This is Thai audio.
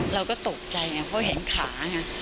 เราก็ตกใจไงเพราะเห็นขาไง